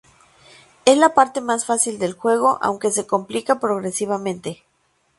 Es la parte más fácil del juego, aunque se complica progresivamente.